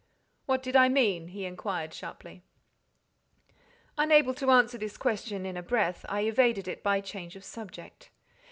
"What did I mean?" he inquired, sharply. Unable to answer this question in a breath, I evaded it by change of subject.